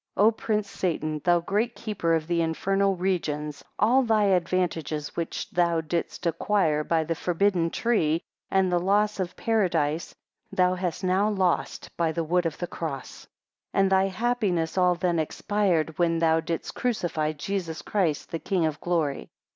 9 O prince Satan, thou great keeper of the infernal regions, all thy advantages which thou didst acquire by the forbidden tree, and the loss of Paradise, thou hast now lost by the wood of the cross; 10 And thy happiness all then expired, when thou didst crucify Jesus Christ the King of Glory.